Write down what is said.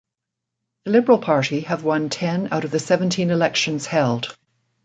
The Liberal party have won ten out of the seventeen elections held.